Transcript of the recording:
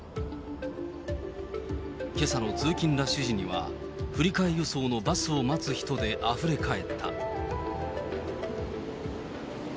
けさの通勤ラッシュ時には、振り替え輸送のバスを待つ人であふれ返った。